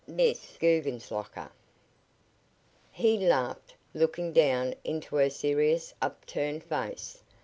MISS GUGGENSLOCKER He laughed, looking down into her serious upturned face.